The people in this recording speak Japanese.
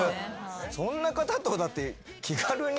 そんな方とだって気軽に。